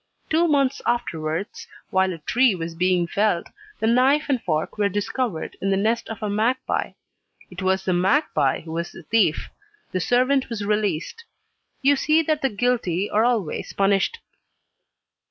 Two months afterwards, while a tree was being felled, the knife and fork were discovered in the nest of a magpie. It was the magpie who was the thief. The servant was released. You see that the guilty are always punished."